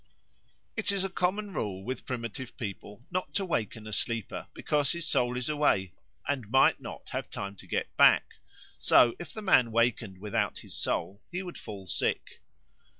It is a common rule with primitive people not to waken a sleeper, because his soul is away and might not have time to get back; so if the man wakened without his soul, he would fall sick.